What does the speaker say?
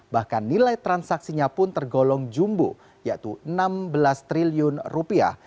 bahkan nilai transaksinya pun tergolong jumbo yaitu enam belas triliun rupiah